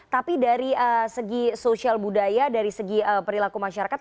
tapi dari segi sosial budaya dari segi perilaku masyarakat